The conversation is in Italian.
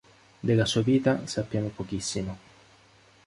Della sua vita sappiamo pochissimo.